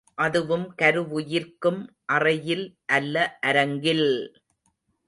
அதுவும் கருவுயிர்க்கும் அறையில் அல்ல அரங்கில்!